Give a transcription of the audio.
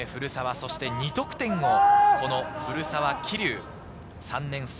そして２得点もこの古澤希竜、３年生。